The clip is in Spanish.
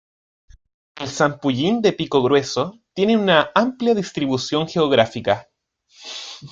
El zampullín de pico grueso tiene una amplia distribución geográfica.